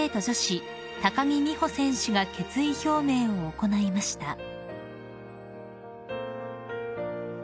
女子木美帆選手が決意表明を行いました］